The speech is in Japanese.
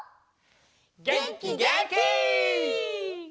げんきげんき！